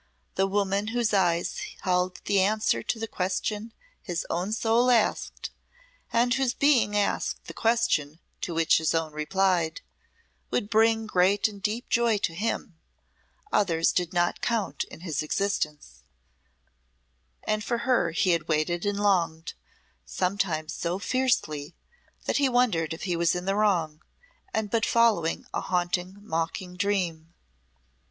The woman whose eyes held the answer to the question his own soul asked, and whose being asked the question to which his own replied, would bring great and deep joy to him others did not count in his existence and for her he had waited and longed, sometimes so fiercely, that he wondered if he was in the wrong and but following a haunting, mocking dream.